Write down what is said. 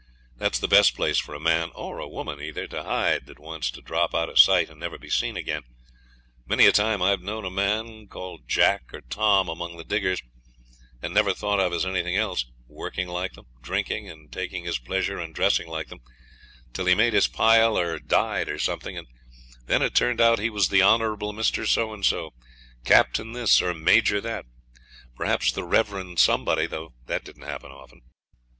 That's the best place for a man, or woman either, to hide that wants to drop out of sight and never be seen again. Many a time I've known a man, called Jack or Tom among the diggers, and never thought of as anything else, working like them, drinking and taking his pleasure and dressing like them, till he made his pile or died, or something, and then it turned out he was the Honourable Mr. So and So, Captain This, or Major That; perhaps the Reverend Somebody though that didn't happen often.